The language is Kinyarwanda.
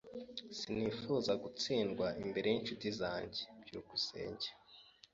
Sinifuzaga gutsindwa imbere yinshuti zanjye. byukusenge